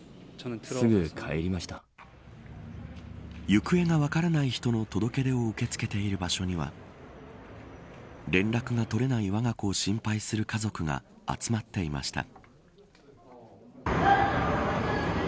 行方が分からない人の届け出を受け付けている場所には連絡が取れないわが子を心配する家族が集まっていました。